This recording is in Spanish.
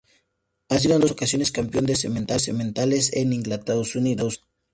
Ha sido en dos ocasiones campeón de sementales en Inglaterra y Estados Unidos.